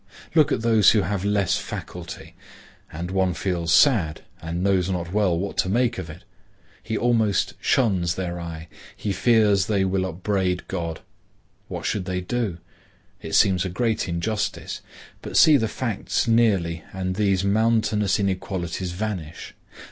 Look at those who have less faculty, and one feels sad and knows not well what to make of it. He almost shuns their eye; he fears they will upbraid God. What should they do? It seems a great injustice. But see the facts nearly and these mountainous inequalities vanish.